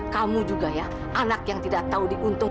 kamu juga ya anak yang tidak tahu diuntung